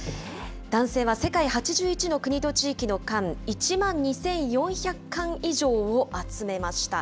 男性は世界８１の国と地域の缶、１万２４００缶以上を集めました。